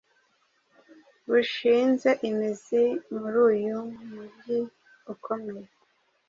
bushinze imizi muri uyu mujyi ukomeye,